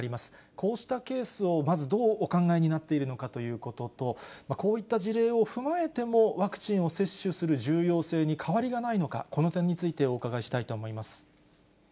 こうしたケースをまずどうお考えになっているのかということと、こういった事例を踏まえても、ワクチンを接種する重要性に変わりがないのか、この点についてお伺いしたいと思います。